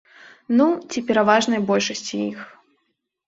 Ну, ці пераважнай большасці іх.